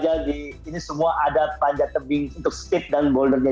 jadi ini semua ada panjatabim untuk speed dan bouldernya